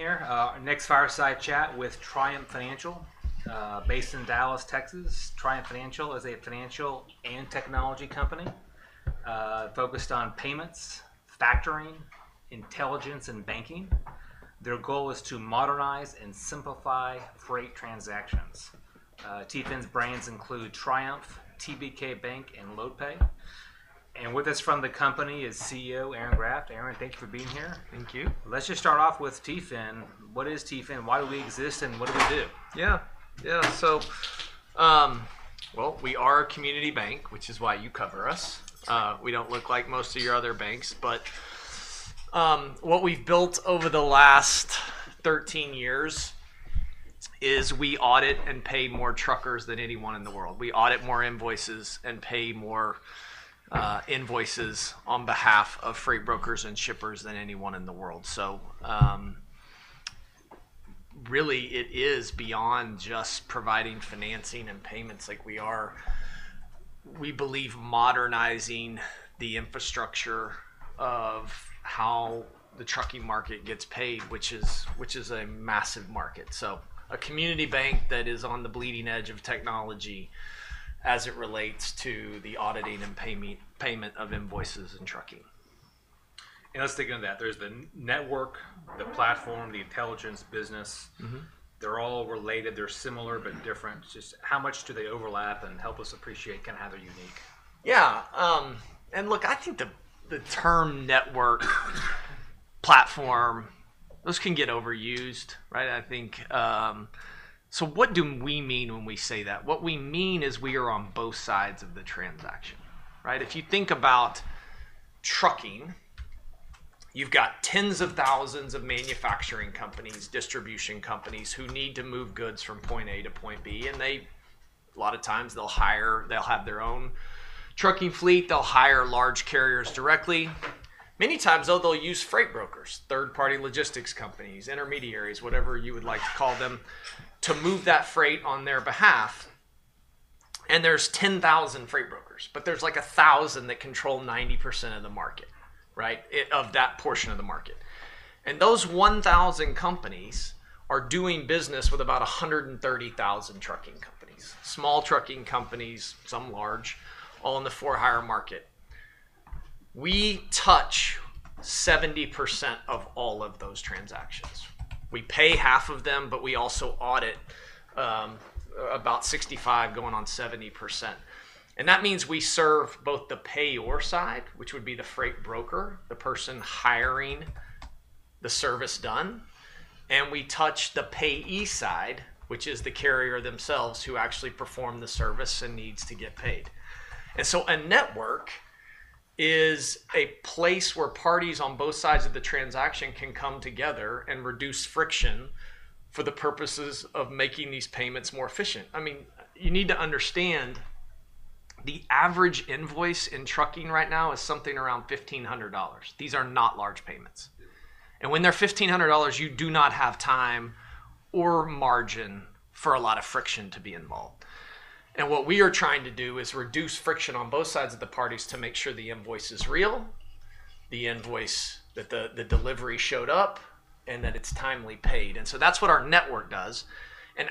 Here, our next fireside chat with Triumph Financial, based in Dallas, Texas. Triumph Financial is a financial and technology company focused on payments, factoring, intelligence, and banking. Their goal is to modernize and simplify freight transactions. TFIN's brands include Triumph, TBK Bank, and LoadPay. With us from the company is CEO Aaron Graft. Aaron, thank you for being here. Thank you. Let's just start off with TFIN. What is TFIN? Why do we exist? What do we do? Yeah. Yeah. We are a community bank, which is why you cover us. We do not look like most of your other banks. What we have built over the last 13 years is we audit and pay more truckers than anyone in the world. We audit more invoices and pay more invoices on behalf of freight brokers and shippers than anyone in the world. Really, it is beyond just providing financing and payments. We believe modernizing the infrastructure of how the trucking market gets paid, which is a massive market. A community bank that is on the bleeding edge of technology as it relates to the auditing and payment of invoices and trucking. Let's dig into that. There's the network, the platform, the intelligence business. They're all related. They're similar but different. Just how much do they overlap? Help us appreciate kind of how they're unique. Yeah. Look, I think the term network, platform, those can get overused, right? What do we mean when we say that? What we mean is we are on both sides of the transaction, right? If you think about trucking, you've got tens of thousands of manufacturing companies, distribution companies who need to move goods from point A to point B. A lot of times, they'll have their own trucking fleet. They'll hire large carriers directly. Many times, though, they'll use freight brokers, third-party logistics companies, intermediaries, whatever you would like to call them, to move that freight on their behalf. There's 10,000 freight brokers, but there's like 1,000 that control 90% of the market, right, of that portion of the market. Those 1,000 companies are doing business with about 130,000 trucking companies, small trucking companies, some large, all in the for-hire market. We touch 70% of all of those transactions. We pay half of them, but we also audit about 65% going on 70%. That means we serve both the payor side, which would be the freight broker, the person hiring the service done, and we touch the payee side, which is the carrier themselves who actually perform the service and needs to get paid. A network is a place where parties on both sides of the transaction can come together and reduce friction for the purposes of making these payments more efficient. I mean, you need to understand the average invoice in trucking right now is something around $1,500. These are not large payments. When they are $1,500, you do not have time or margin for a lot of friction to be involved. What we are trying to do is reduce friction on both sides of the parties to make sure the invoice is real, the invoice that the delivery showed up, and that it's timely paid. That is what our network does.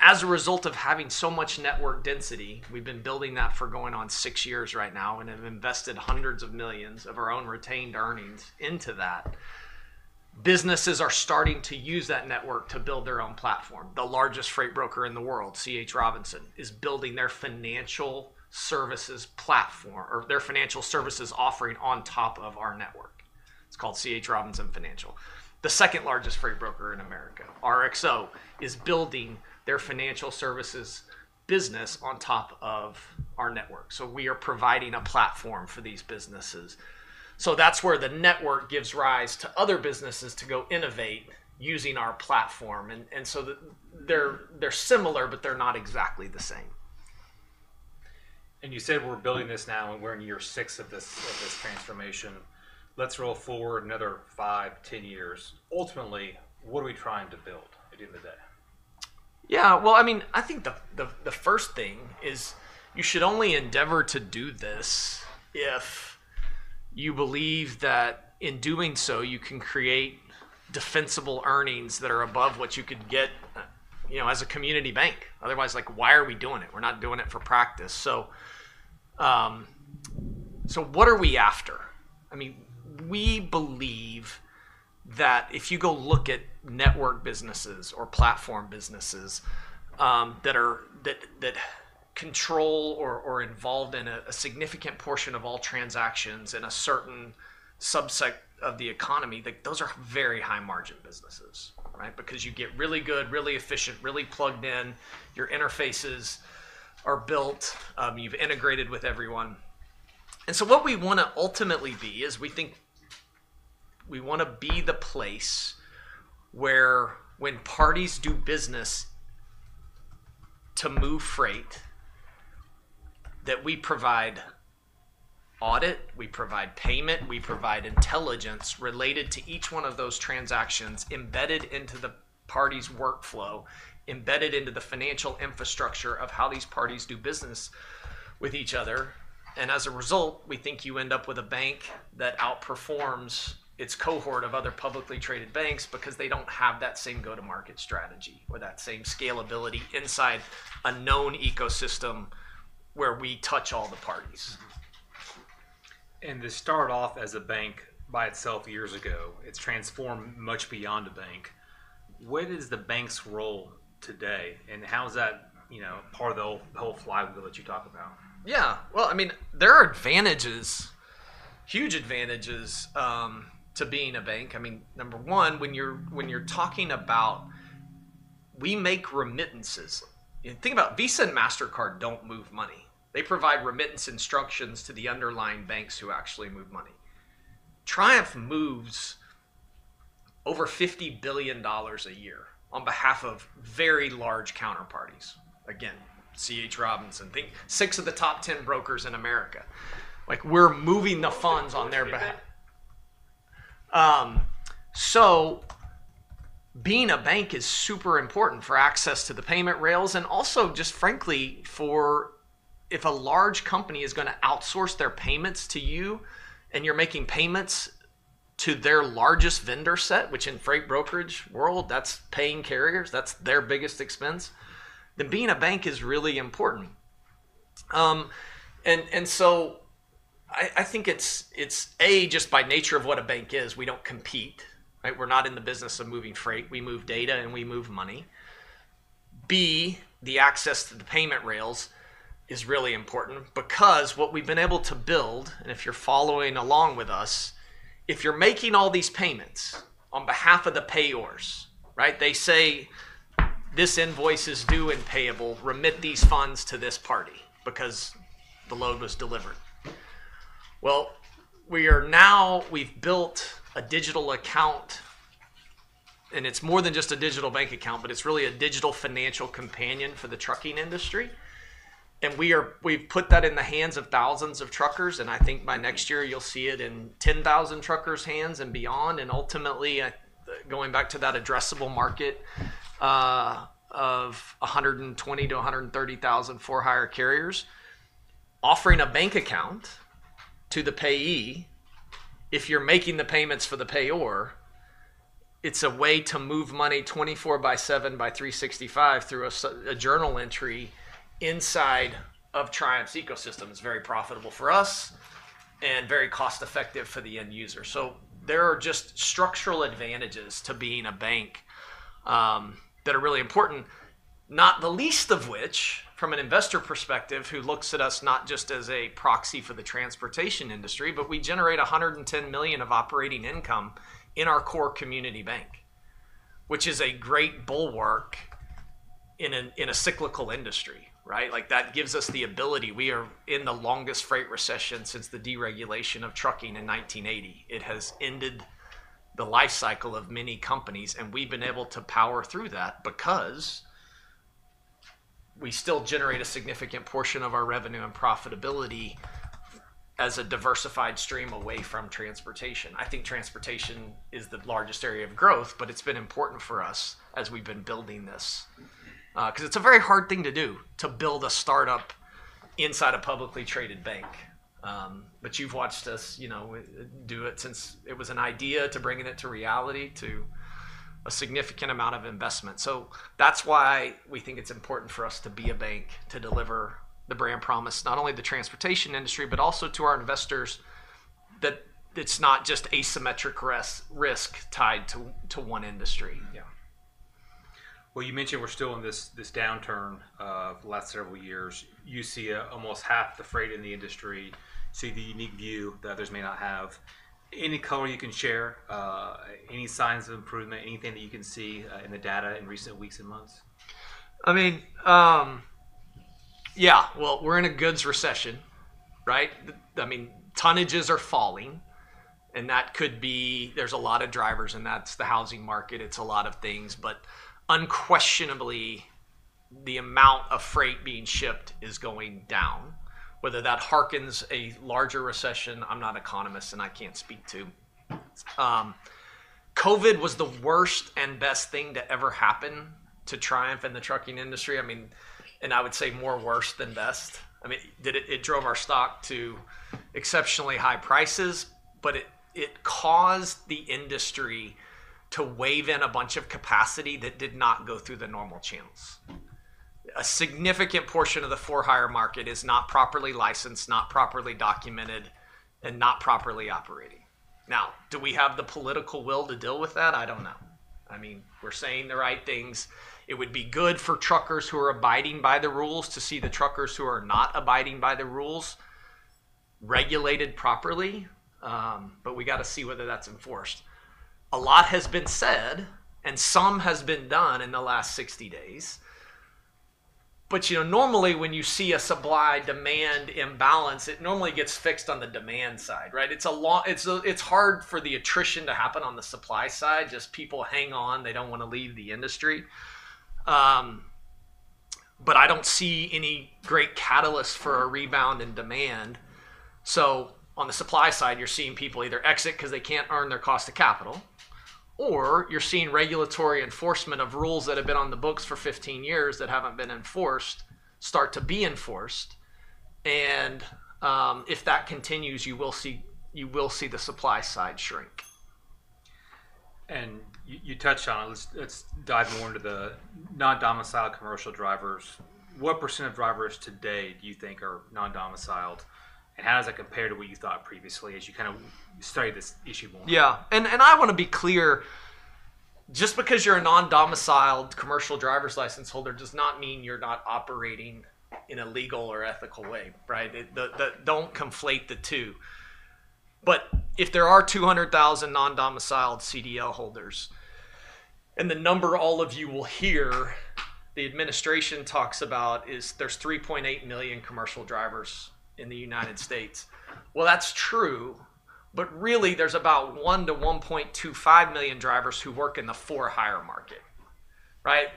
As a result of having so much network density, we've been building that for going on six years right now, and have invested hundreds of millions of our own retained earnings into that. Businesses are starting to use that network to build their own platform. The largest freight broker in the world, C.H. Robinson, is building their financial services platform or their financial services offering on top of our network. It's called C.H. Robinson Financial. The second largest freight broker in America, RXO, is building their financial services business on top of our network. We are providing a platform for these businesses. That's where the network gives rise to other businesses to go innovate using our platform. They're similar, but they're not exactly the same. You said we're building this now, and we're in year six of this transformation. Let's roll forward another 5, 10 years. Ultimately, what are we trying to build at the end of the day? Yeah. I mean, I think the first thing is you should only endeavor to do this if you believe that in doing so, you can create defensible earnings that are above what you could get as a community bank. Otherwise, why are we doing it? We're not doing it for practice. What are we after? I mean, we believe that if you go look at network businesses or platform businesses that control or are involved in a significant portion of all transactions in a certain subset of the economy, those are very high-margin businesses, right? Because you get really good, really efficient, really plugged in. Your interfaces are built. You've integrated with everyone. What we want to ultimately be is we think we want to be the place where when parties do business to move freight, that we provide audit, we provide payment, we provide intelligence related to each one of those transactions embedded into the parties' workflow, embedded into the financial infrastructure of how these parties do business with each other. As a result, we think you end up with a bank that outperforms its cohort of other publicly traded banks because they do not have that same go-to-market strategy or that same scalability inside a known ecosystem where we touch all the parties. To start off as a bank by itself years ago, it's transformed much beyond a bank. What is the bank's role today? How is that part of the whole flywheel that you talk about? Yeah. I mean, there are advantages, huge advantages to being a bank. I mean, number one, when you're talking about we make remittances. Think about Visa and MasterCard don't move money. They provide remittance instructions to the underlying banks who actually move money. Triumph moves over $50 billion a year on behalf of very large counterparties. Again, C.H. Robinson, six of the top 10 brokers in America. We're moving the funds on their behalf. Being a bank is super important for access to the payment rails and also just, frankly, for if a large company is going to outsource their payments to you and you're making payments to their largest vendor set, which in freight brokerage world, that's paying carriers. That's their biggest expense. Being a bank is really important. I think it's, A, just by nature of what a bank is, we don't compete, right? We're not in the business of moving freight. We move data and we move money. B, the access to the payment rails is really important because what we've been able to build, and if you're following along with us, if you're making all these payments on behalf of the payors, right, they say, "This invoice is due and payable. Remit these funds to this party because the load was delivered." Now we've built a digital account, and it's more than just a digital bank account, but it's really a digital financial companion for the trucking industry. We've put that in the hands of thousands of truckers. I think by next year, you'll see it in 10,000 truckers' hands and beyond. Ultimately, going back to that addressable market of 120,000-130,000 for-hire carriers, offering a bank account to the payee, if you're making the payments for the payor, it's a way to move money 24 by 7 by 365 through a journal entry inside of Triumph's ecosystem. It's very profitable for us and very cost-effective for the end user. There are just structural advantages to being a bank that are really important, not the least of which from an investor perspective who looks at us not just as a proxy for the transportation industry, but we generate $110 million of operating income in our core community bank, which is a great bulwark in a cyclical industry, right? That gives us the ability. We are in the longest freight recession since the deregulation of trucking in 1980. It has ended the life cycle of many companies. We have been able to power through that because we still generate a significant portion of our revenue and profitability as a diversified stream away from transportation. I think transportation is the largest area of growth, but it has been important for us as we have been building this because it is a very hard thing to do to build a startup inside a publicly traded bank. You have watched us do it since it was an idea to bringing it to reality to a significant amount of investment. That is why we think it is important for us to be a bank to deliver the brand promise, not only to the transportation industry, but also to our investors that it is not just asymmetric risk tied to one industry. Yeah. You mentioned we're still in this downturn of the last several years. You see almost half the freight in the industry, see the unique view that others may not have. Any color you can share? Any signs of improvement? Anything that you can see in the data in recent weeks and months? I mean, yeah. We're in a goods recession, right? I mean, tonnages are falling. That could be there's a lot of drivers, and that's the housing market. It's a lot of things. Unquestionably, the amount of freight being shipped is going down. Whether that hearkens a larger recession, I'm not an economist, and I can't speak to. COVID was the worst and best thing to ever happen to Triumph and the trucking industry. I mean, and I would say more worse than best. I mean, it drove our stock to exceptionally high prices, but it caused the industry to wave in a bunch of capacity that did not go through the normal channels. A significant portion of the for-hire market is not properly licensed, not properly documented, and not properly operating. Now, do we have the political will to deal with that? I don't know. I mean, we're saying the right things. It would be good for truckers who are abiding by the rules to see the truckers who are not abiding by the rules regulated properly. We got to see whether that's enforced. A lot has been said, and some has been done in the last 60 days. Normally, when you see a supply-demand imbalance, it normally gets fixed on the demand side, right? It's hard for the attrition to happen on the supply side. People hang on. They don't want to leave the industry. I don't see any great catalyst for a rebound in demand. On the supply side, you're seeing people either exit because they can't earn their cost of capital, or you're seeing regulatory enforcement of rules that have been on the books for 15 years that haven't been enforced start to be enforced. If that continues, you will see the supply side shrink. You touched on it. Let's dive more into the non-domiciled commercial drivers. What percentage of drivers today do you think are non-domiciled? How does that compare to what you thought previously as you kind of studied this issue more? Yeah. I want to be clear. Just because you're a non-domiciled commercial driver's license holder does not mean you're not operating in a legal or ethical way, right? Don't conflate the two. If there are 200,000 non-domiciled CDL holders, and the number all of you will hear the administration talks about is there's 3.8 million commercial drivers in the United States. That's true. Really, there's about 1 to 1.25 million drivers who work in the for-hire market, right?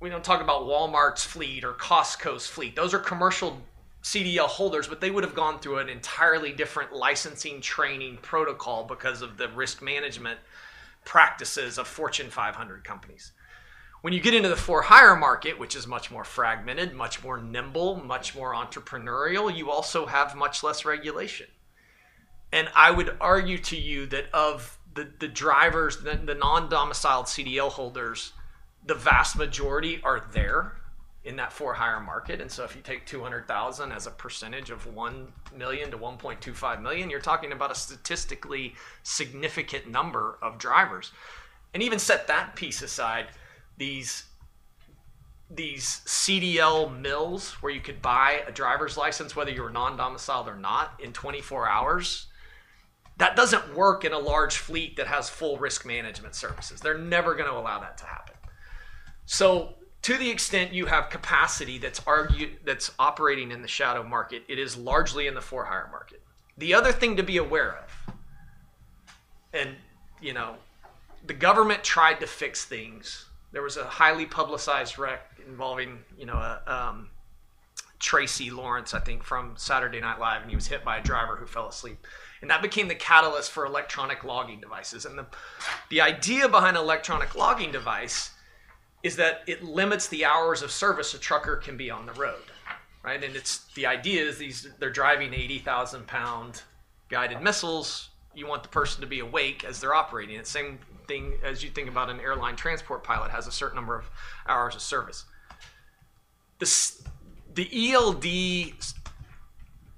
We don't talk about Walmart's fleet or Costco's fleet. Those are commercial CDL holders, but they would have gone through an entirely different licensing training protocol because of the risk management practices of Fortune 500 companies. When you get into the for-hire market, which is much more fragmented, much more nimble, much more entrepreneurial, you also have much less regulation. I would argue to you that of the drivers, the non-domiciled CDL holders, the vast majority are there in that for-hire market. If you take 200,000 as a percentage of 1 million-1.25 million, you're talking about a statistically significant number of drivers. Even set that piece aside, these CDL mills where you could buy a driver's license, whether you're non-domiciled or not, in 24 hours, that doesn't work in a large fleet that has full risk management services. They're never going to allow that to happen. To the extent you have capacity that's operating in the shadow market, it is largely in the for-hire market. The other thing to be aware of, and the government tried to fix things. There was a highly publicized wreck involving Tracy Morgan, I think, from Saturday Night Live, and he was hit by a driver who fell asleep. That became the catalyst for electronic logging devices. The idea behind an electronic logging device is that it limits the hours of service a trucker can be on the road, right? The idea is they're driving 80,000-pound guided missiles. You want the person to be awake as they're operating. It's the same thing as you think about an airline transport pilot has a certain number of hours of service. The ELD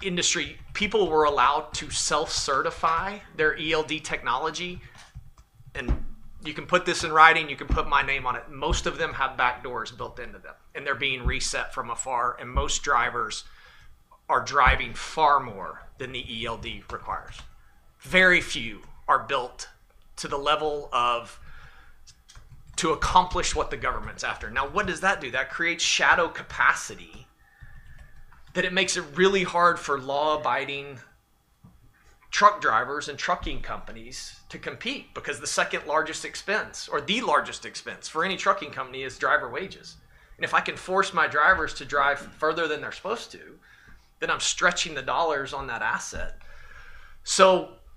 industry, people were allowed to self-certify their ELD technology. You can put this in writing. You can put my name on it. Most of them have back doors built into them, and they're being reset from afar. Most drivers are driving far more than the ELD requires. Very few are built to the level to accomplish what the government's after. Now, what does that do? That creates shadow capacity that it makes it really hard for law-abiding truck drivers and trucking companies to compete because the second largest expense, or the largest expense for any trucking company, is driver wages. If I can force my drivers to drive further than they're supposed to, then I'm stretching the dollars on that asset.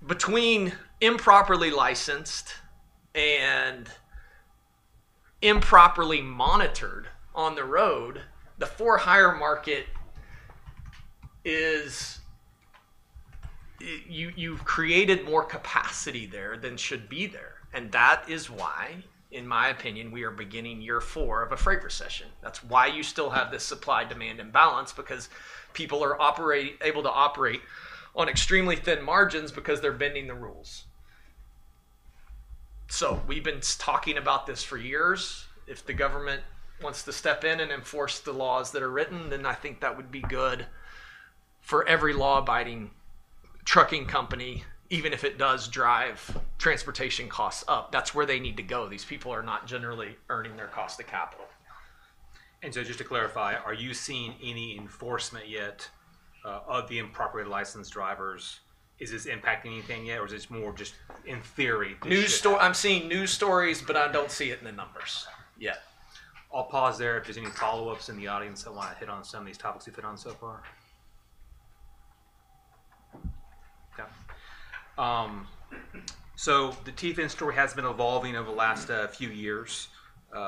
Between improperly licensed and improperly monitored on the road, the for-hire market is you've created more capacity there than should be there. That is why, in my opinion, we are beginning year four of a freight recession. That is why you still have this supply-demand imbalance because people are able to operate on extremely thin margins because they're bending the rules. We've been talking about this for years. If the government wants to step in and enforce the laws that are written, then I think that would be good for every law-abiding trucking company, even if it does drive transportation costs up. That's where they need to go. These people are not generally earning their cost of capital. Just to clarify, are you seeing any enforcement yet of the improperly licensed drivers? Is this impacting anything yet, or is this more just in theory? I'm seeing news stories, but I don't see it in the numbers yet. I'll pause there if there's any follow-ups in the audience that want to hit on some of these topics we've hit on so far. Okay. The TFIN story has been evolving over the last few years.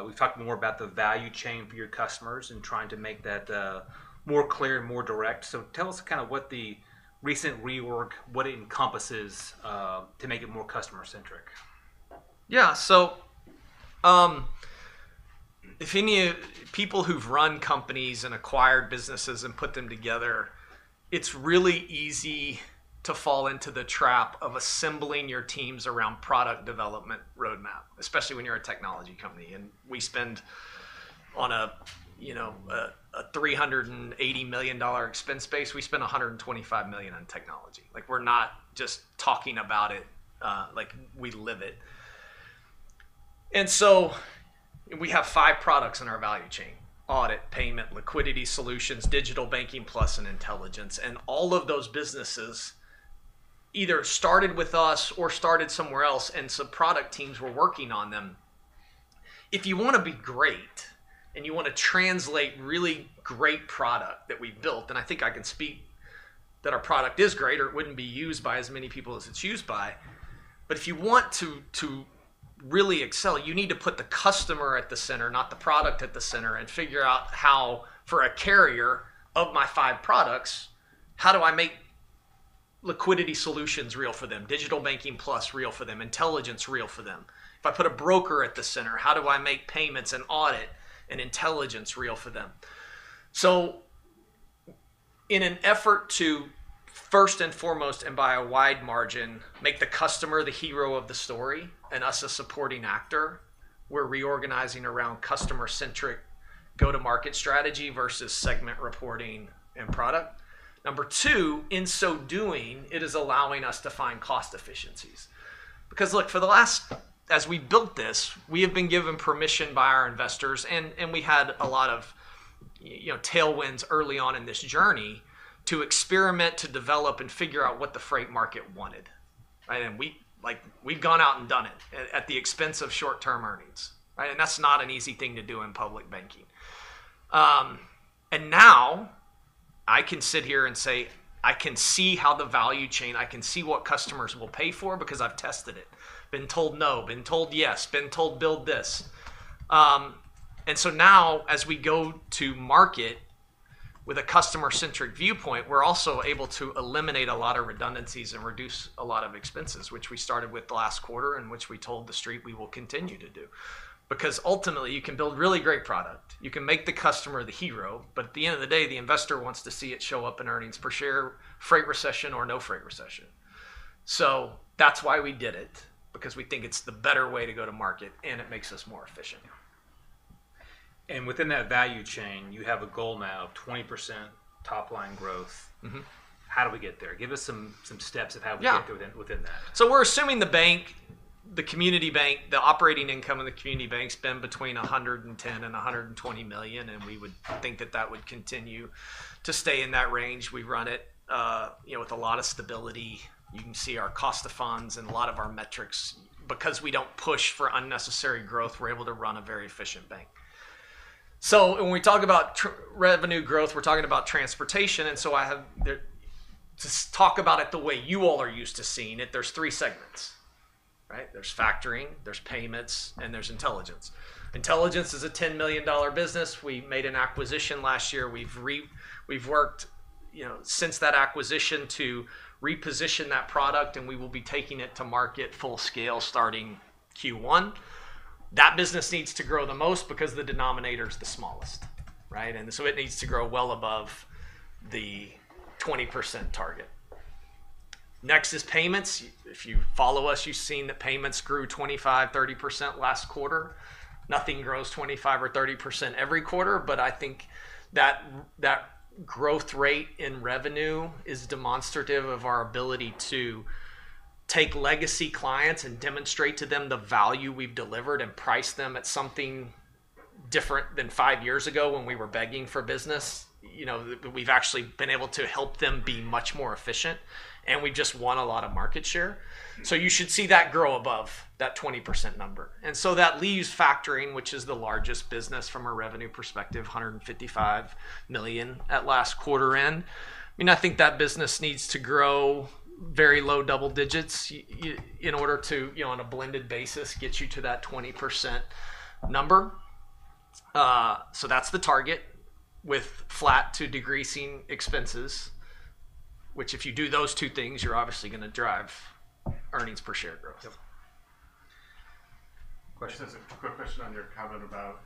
We've talked more about the value chain for your customers and trying to make that more clear and more direct. Tell us kind of what the recent reorg, what it encompasses to make it more customer-centric. Yeah. If any people who've run companies and acquired businesses and put them together, it's really easy to fall into the trap of assembling your teams around product development roadmap, especially when you're a technology company. We spend on a $380 million expense base. We spend $125 million on technology. We're not just talking about it. We live it. We have five products in our value chain: audit, payment, liquidity solutions, digital banking, plus an intelligence. All of those businesses either started with us or started somewhere else. Product teams were working on them. If you want to be great and you want to translate really great product that we've built, and I think I can speak that our product is greater, it wouldn't be used by as many people as it's used by. If you want to really excel, you need to put the customer at the center, not the product at the center, and figure out how, for a carrier of my five products, how do I make liquidity solutions real for them, digital banking plus real for them, intelligence real for them? If I put a broker at the center, how do I make payments and audit and intelligence real for them? In an effort to, first and foremost, and by a wide margin, make the customer the hero of the story and us a supporting actor, we're reorganizing around customer-centric go-to-market strategy versus segment reporting and product. Number two, in so doing, it is allowing us to find cost efficiencies. Because look, for the last, as we built this, we have been given permission by our investors, and we had a lot of tailwinds early on in this journey to experiment, to develop, and figure out what the freight market wanted, right? We have gone out and done it at the expense of short-term earnings, right? That is not an easy thing to do in public banking. Now I can sit here and say, I can see how the value chain, I can see what customers will pay for because I have tested it, been told no, been told yes, been told build this. Now, as we go to market with a customer-centric viewpoint, we are also able to eliminate a lot of redundancies and reduce a lot of expenses, which we started with the last quarter and which we told the street we will continue to do. Because ultimately, you can build really great product. You can make the customer the hero, but at the end of the day, the investor wants to see it show up in earnings per share, freight recession or no freight recession. That is why we did it, because we think it's the better way to go to market, and it makes us more efficient. Within that value chain, you have a goal now of 20% top-line growth. How do we get there? Give us some steps of how we get there within that. We're assuming the bank, the community bank, the operating income of the community bank spend between $110 million and $120 million, and we would think that that would continue to stay in that range. We run it with a lot of stability. You can see our cost of funds and a lot of our metrics. Because we do not push for unnecessary growth, we're able to run a very efficient bank. When we talk about revenue growth, we're talking about transportation. I have to talk about it the way you all are used to seeing it. There are three segments, right? There is factoring, there is payments, and there is intelligence. Intelligence is a $10 million business. We made an acquisition last year. We have worked since that acquisition to reposition that product, and we will be taking it to market full scale starting Q1. That business needs to grow the most because the denominator is the smallest, right? It needs to grow well above the 20% target. Next is payments. If you follow us, you've seen that payments grew 25%-30% last quarter. Nothing grows 25%-30% every quarter, but I think that growth rate in revenue is demonstrative of our ability to take legacy clients and demonstrate to them the value we've delivered and price them at something different than five years ago when we were begging for business. We've actually been able to help them be much more efficient, and we just won a lot of market share. You should see that grow above that 20% number. That leaves factoring, which is the largest business from a revenue perspective, $155 million at last quarter end. I mean, I think that business needs to grow very low double digits in order to, on a blended basis, get you to that 20% number. That is the target with flat to decreasing expenses, which if you do those two things, you're obviously going to drive earnings per share growth. Question is a quick question on your comment about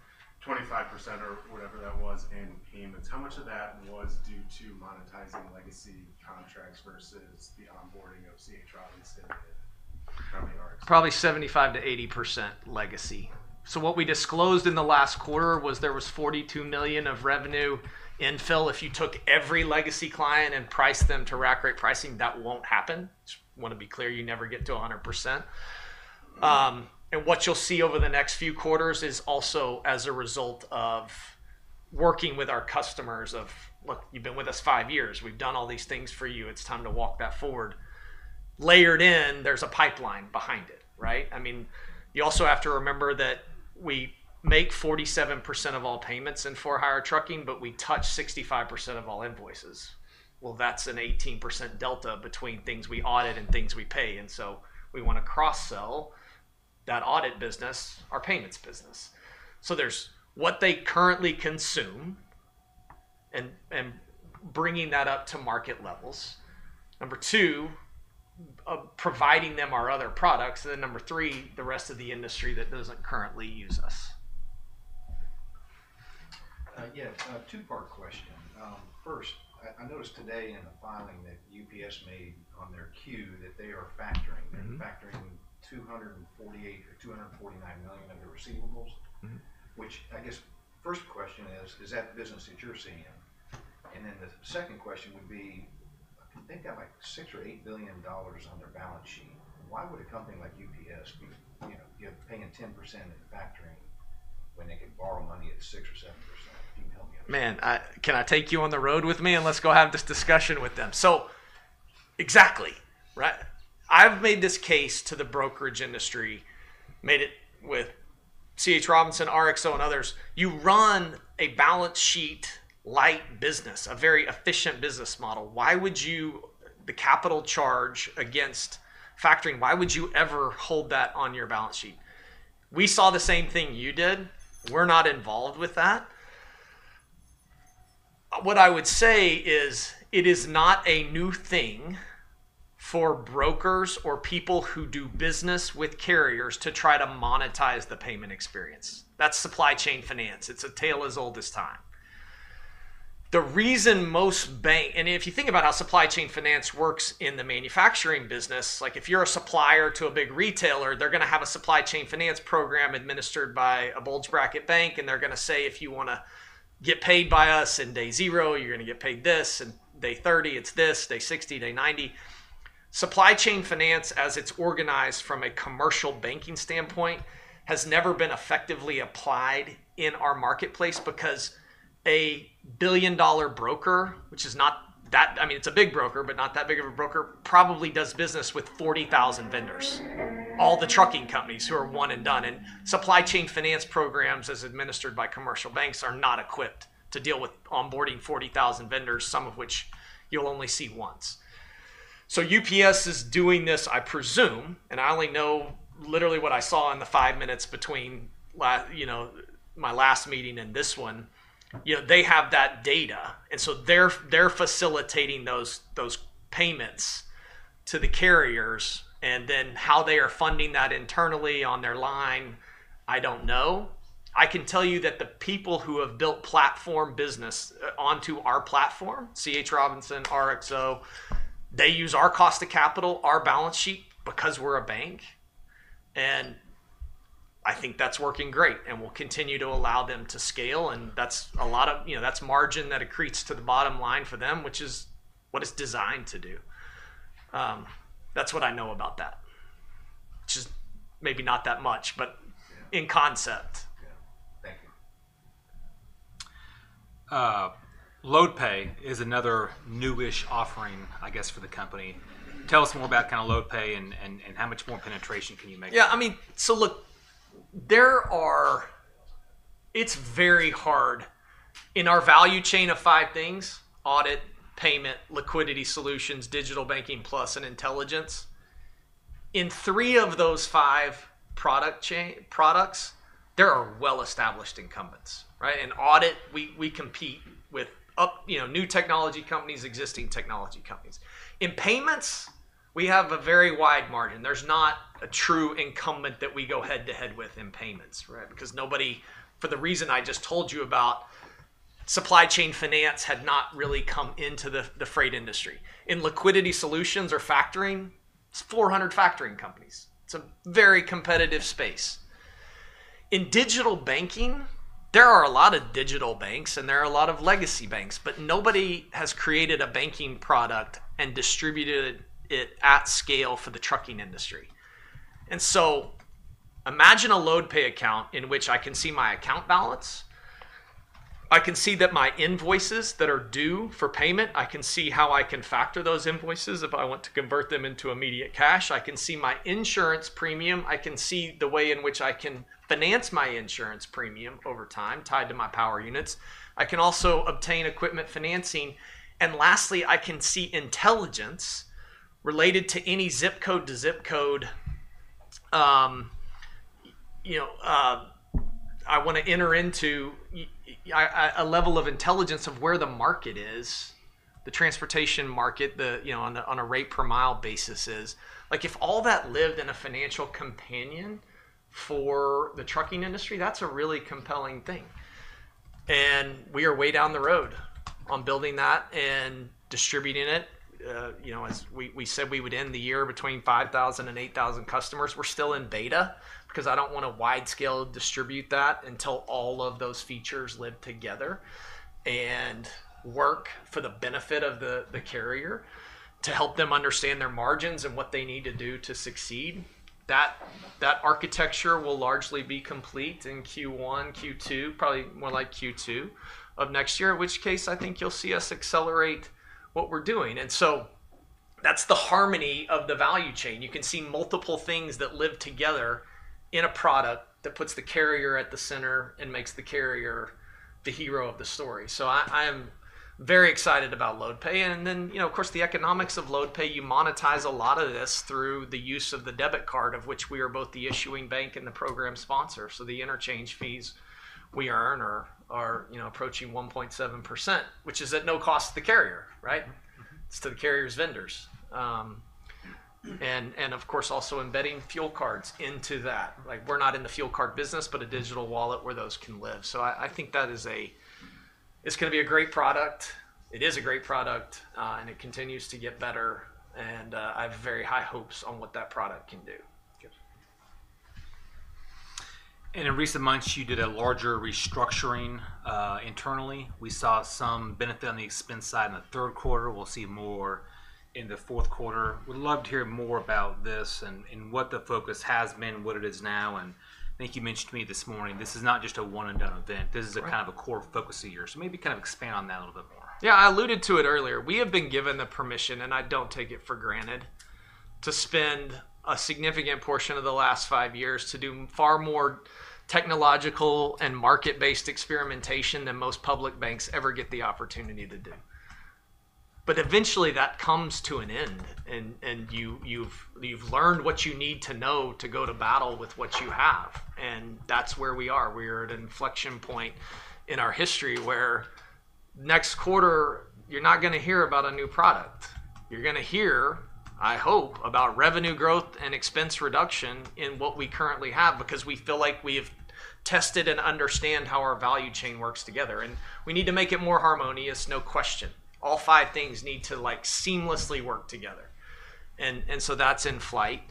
25% or whatever that was in payments. How much of that was due to monetizing legacy contracts versus the onboarding of C.H. Robinson and RXO? Probably 75%-80% legacy. What we disclosed in the last quarter was there was $42 million of revenue infill. If you took every legacy client and priced them to rack-rated pricing, that will not happen. I want to be clear, you never get to 100%. What you will see over the next few quarters is also as a result of working with our customers of, "Look, you have been with us five years. We have done all these things for you. It is time to walk that forward." Layered in, there is a pipeline behind it, right? I mean, you also have to remember that we make 47% of all payments in for-hire trucking, but we touch 65% of all invoices. That is an 18% delta between things we audit and things we pay. We want to cross-sell that audit business, our payments business. There's what they currently consume and bringing that up to market levels. Number two, providing them our other products. And then number three, the rest of the industry that doesn't currently use us. Yeah. Two-part question. First, I noticed today in the filing that UPS made on their Q that they are factoring. They're factoring $248 million or $249 million of their receivables, which I guess first question is, is that the business that you're seeing? And then the second question would be, I think they have like $6 billion or $8 billion on their balance sheet. Why would a company like UPS be paying 10% in factoring when they could borrow money at 6% or 7%? If you can help me out. Man, can I take you on the road with me and let's go have this discussion with them? Exactly, right? I've made this case to the brokerage industry, made it with C.H. Robinson, RXO, and others. You run a balance sheet-like business, a very efficient business model. Why would you, the capital charge against factoring, why would you ever hold that on your balance sheet? We saw the same thing you did. We're not involved with that. What I would say is it is not a new thing for brokers or people who do business with carriers to try to monetize the payment experience. That's supply chain finance. It's a tale as old as time. The reason most bank, and if you think about how supply chain finance works in the manufacturing business, like if you're a supplier to a big retailer, they're going to have a supply chain finance program administered by a bulge bracket bank, and they're going to say, "If you want to get paid by us in day zero, you're going to get paid this. And day 30, it's this. Day 60, day 90." Supply chain finance, as it's organized from a commercial banking standpoint, has never been effectively applied in our marketplace because a billion-dollar broker, which is not that, I mean, it's a big broker, but not that big of a broker, probably does business with 40,000 vendors, all the trucking companies who are one and done. Supply chain finance programs as administered by commercial banks are not equipped to deal with onboarding 40,000 vendors, some of which you'll only see once. UPS is doing this, I presume, and I only know literally what I saw in the five minutes between my last meeting and this one. They have that data. They are facilitating those payments to the carriers. How they are funding that internally on their line, I don't know. I can tell you that the people who have built platform business onto our platform, C.H. Robinson, RXO, they use our cost of capital, our balance sheet because we're a bank. I think that's working great. We'll continue to allow them to scale. That's a lot of that's margin that accretes to the bottom line for them, which is what it's designed to do. That's what I know about that. Just maybe not that much, but in concept. Yeah. Thank you. LoadPay is another new-ish offering, I guess, for the company. Tell us more about kind of LoadPay and how much more penetration can you make? Yeah. I mean, so look, there are, it's very hard in our value chain of five things: audit, payment, liquidity solutions, digital banking, plus an intelligence. In three of those five products, there are well-established incumbents, right? In audit, we compete with new technology companies, existing technology companies. In payments, we have a very wide margin. There's not a true incumbent that we go head-to-head with in payments, right? Because nobody, for the reason I just told you about, supply chain finance had not really come into the freight industry. In liquidity solutions or factoring, it's 400 factoring companies. It's a very competitive space. In digital banking, there are a lot of digital banks and there are a lot of legacy banks, but nobody has created a banking product and distributed it at scale for the trucking industry. Imagine a LoadPay account in which I can see my account balance. I can see that my invoices that are due for payment. I can see how I can factor those invoices if I want to convert them into immediate cash. I can see my insurance premium. I can see the way in which I can finance my insurance premium over time tied to my power units. I can also obtain equipment financing. Lastly, I can see intelligence related to any zip code to zip code. I want to enter into a level of intelligence of where the market is, the transportation market, on a rate per mile basis is. If all that lived in a financial companion for the trucking industry, that's a really compelling thing. We are way down the road on building that and distributing it. As we said, we would end the year between 5,000 and 8,000 customers. We're still in beta because I don't want to wide-scale distribute that until all of those features live together and work for the benefit of the carrier to help them understand their margins and what they need to do to succeed. That architecture will largely be complete in Q1, Q2, probably more like Q2 of next year, in which case I think you'll see us accelerate what we're doing. That is the harmony of the value chain. You can see multiple things that live together in a product that puts the carrier at the center and makes the carrier the hero of the story. I am very excited about LoadPay. The economics of LoadPay, you monetize a lot of this through the use of the debit card, of which we are both the issuing bank and the program sponsor. The interchange fees we earn are approaching 1.7%, which is at no cost to the carrier, right? It is to the carrier's vendors. Also embedding fuel cards into that. We are not in the fuel card business, but a digital wallet where those can live. I think that is a, it is going to be a great product. It is a great product, and it continues to get better. I have very high hopes on what that product can do. In recent months, you did a larger restructuring internally. We saw some benefit on the expense side in the third quarter. We'll see more in the fourth quarter. Would love to hear more about this and what the focus has been, what it is now. I think you mentioned to me this morning, this is not just a one-and-done event. This is a kind of a core focus of yours. Maybe kind of expand on that a little bit more. Yeah. I alluded to it earlier. We have been given the permission, and I don't take it for granted, to spend a significant portion of the last five years to do far more technological and market-based experimentation than most public banks ever get the opportunity to do. Eventually, that comes to an end, and you've learned what you need to know to go to battle with what you have. That's where we are. We're at an inflection point in our history where next quarter, you're not going to hear about a new product. You're going to hear, I hope, about revenue growth and expense reduction in what we currently have because we feel like we have tested and understand how our value chain works together. We need to make it more harmonious, no question. All five things need to seamlessly work together. That's in flight.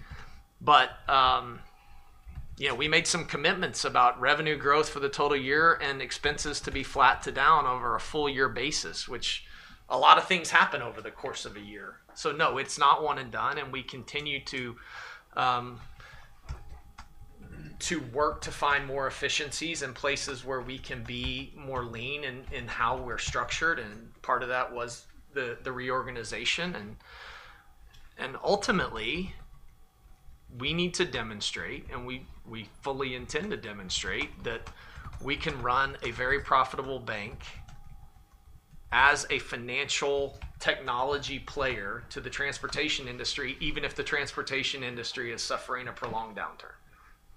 We made some commitments about revenue growth for the total year and expenses to be flat to down over a full-year basis, which a lot of things happen over the course of a year. No, it's not one and done. We continue to work to find more efficiencies in places where we can be more lean in how we're structured. Part of that was the reorganization. Ultimately, we need to demonstrate, and we fully intend to demonstrate, that we can run a very profitable bank as a financial technology player to the transportation industry, even if the transportation industry is suffering a prolonged downturn.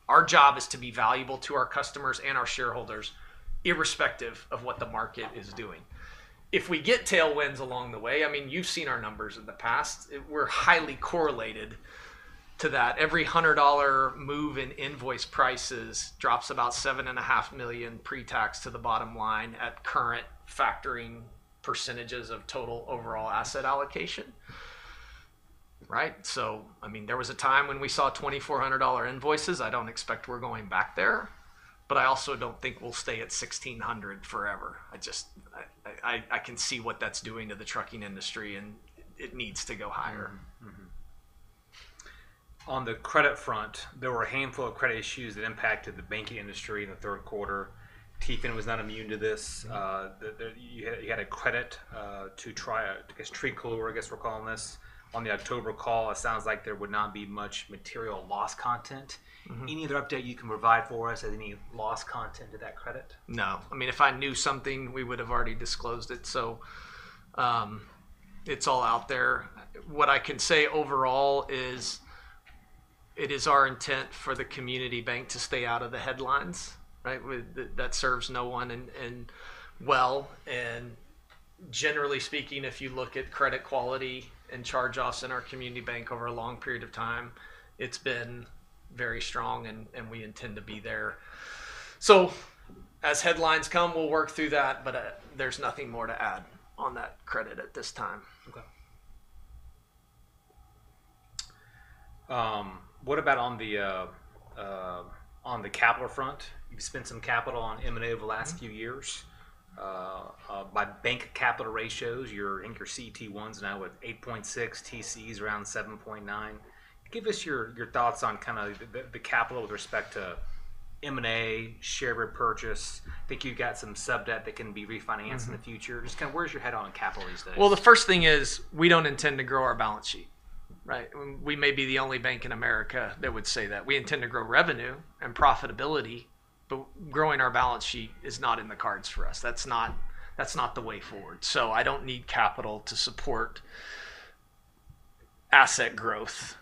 Our job is to be valuable to our customers and our shareholders, irrespective of what the market is doing. If we get tailwinds along the way, I mean, you've seen our numbers in the past. We're highly correlated to that. Every $100 move in invoice prices drops about $7.5 million pre-tax to the bottom line at current factoring percentages of total overall asset allocation, right? I mean, there was a time when we saw $2,400 invoices. I don't expect we're going back there, but I also don't think we'll stay at $1,600 forever. I can see what that's doing to the trucking industry, and it needs to go higher. On the credit front, there were a handful of credit issues that impacted the banking industry in the third quarter. Triumph was not immune to this. You had a credit to try to get a true clue, I guess we're calling this. On the October call, it sounds like there would not be much material loss content. Any other update you can provide for us as any loss content to that credit? No. I mean, if I knew something, we would have already disclosed it. It is all out there. What I can say overall is it is our intent for the community bank to stay out of the headlines, right? That serves no one well. Generally speaking, if you look at credit quality and charge-offs in our community bank over a long period of time, it has been very strong, and we intend to be there. As headlines come, we will work through that, but there is nothing more to add on that credit at this time. Okay. What about on the capital front? You've spent some capital on M&A over the last few years. By bank capital ratios, you're in your CET1s now with 8.6, TCs around 7.9. Give us your thoughts on kind of the capital with respect to M&A, share repurchase. I think you've got some sub-debt that can be refinanced in the future. Just kind of where's your head on capital these days? The first thing is we do not intend to grow our balance sheet, right? We may be the only bank in America that would say that. We intend to grow revenue and profitability, but growing our balance sheet is not in the cards for us. That is not the way forward. I do not need capital to support asset growth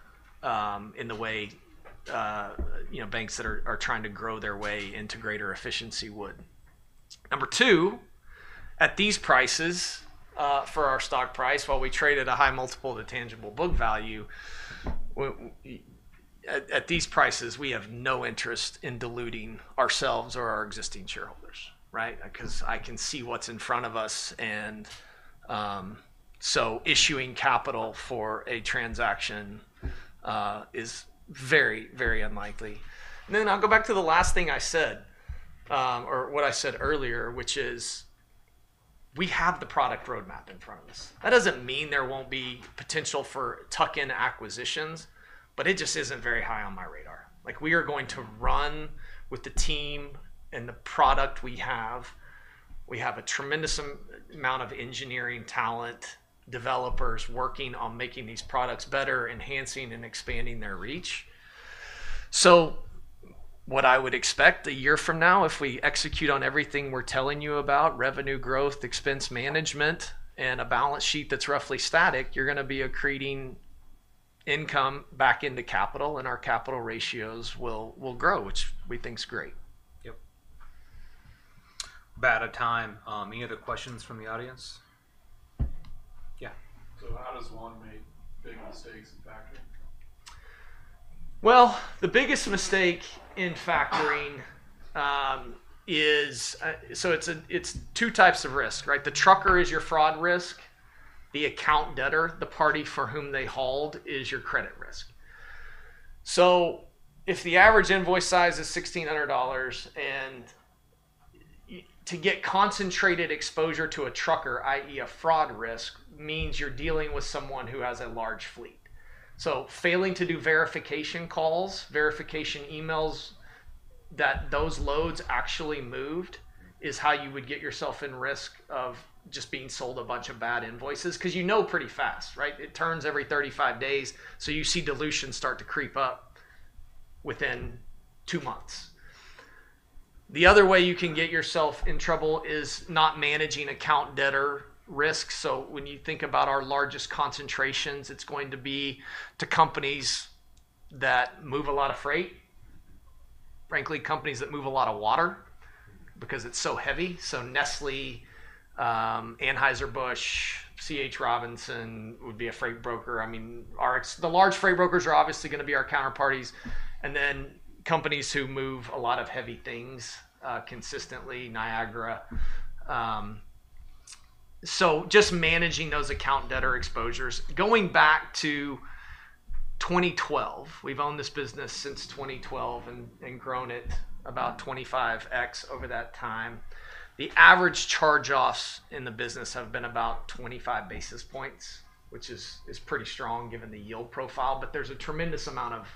in the way banks that are trying to grow their way into greater efficiency would. Number two, at these prices for our stock price, while we trade at a high multiple to tangible book value, at these prices, we have no interest in diluting ourselves or our existing shareholders, right? I can see what is in front of us. Issuing capital for a transaction is very, very unlikely. I'll go back to the last thing I said or what I said earlier, which is we have the product roadmap in front of us. That does not mean there will not be potential for tuck-in acquisitions, but it just is not very high on my radar. We are going to run with the team and the product we have. We have a tremendous amount of engineering talent, developers working on making these products better, enhancing and expanding their reach. What I would expect a year from now, if we execute on everything we are telling you about, revenue growth, expense management, and a balance sheet that is roughly static, you are going to be accreting income back into capital, and our capital ratios will grow, which we think is great. Yep. About a time. Any other questions from the audience? Yeah. How does one make big mistakes in factoring? The biggest mistake in factoring is so it's two types of risk, right? The trucker is your fraud risk. The account debtor, the party for whom they hold, is your credit risk. If the average invoice size is $1,600, and to get concentrated exposure to a trucker, i.e., a fraud risk, means you're dealing with someone who has a large fleet. Failing to do verification calls, verification emails that those loads actually moved is how you would get yourself in risk of just being sold a bunch of bad invoices because you know pretty fast, right? It turns every 35 days. You see dilution start to creep up within two months. The other way you can get yourself in trouble is not managing account debtor risk. When you think about our largest concentrations, it's going to be to companies that move a lot of freight, frankly, companies that move a lot of water because it's so heavy. Nestlé, Anheuser-Busch, C.H. Robinson would be a freight broker. I mean, the large freight brokers are obviously going to be our counterparties. Companies who move a lot of heavy things consistently, Niagara. Just managing those account debtor exposures. Going back to 2012, we've owned this business since 2012 and grown it about 25x over that time. The average charge-offs in the business have been about 25 basis points, which is pretty strong given the yield profile. There's a tremendous amount of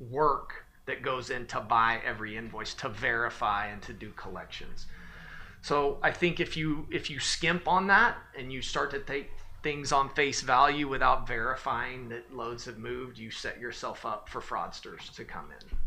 work that goes into buying every invoice to verify and to do collections. I think if you skimp on that and you start to take things on face value without verifying that loads have moved, you set yourself up for fraudsters to come in.